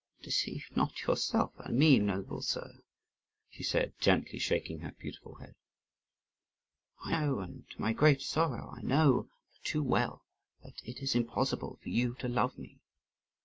"Deceive not yourself and me, noble sir," she said, gently shaking her beautiful head; "I know, and to my great sorrow I know but too well, that it is impossible for you to love me.